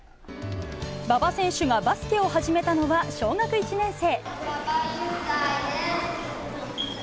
馬場選手がバスケを始めたの馬場雄大です。